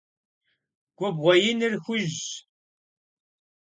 Губгъуэ иныр хужьщ.